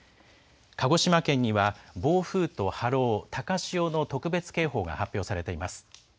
鹿児島県には暴風と波浪、高潮の特別警報が発表されています。